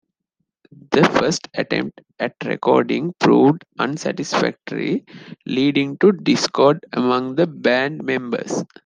The first attempt at recording proved unsatisfactory, leading to discord among the band members.